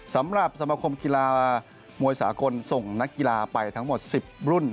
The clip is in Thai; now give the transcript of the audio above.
สำหรับสมคมกีฬามวยสากลส่งนักกีฬาไปทั้งหมด๑๐รุ่น